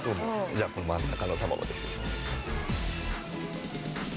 じゃあこの真ん中の卵で。